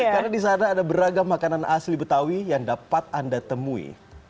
karena di sana ada beragam makanan asli betawi yang dapat anda temui